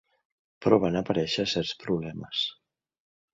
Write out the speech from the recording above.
Però van aparèixer certs problemes.